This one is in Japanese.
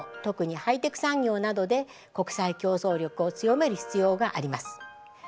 特にハイテク産業などで国際競争力を強める必要があります。